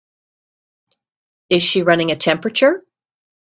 Is she running a temperature?